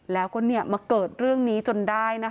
แล้วก็เนี่ยเมื่อเกิดเรื่องนี้จนได้นะคะ